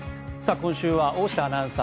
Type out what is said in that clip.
今週は大下アナウンサー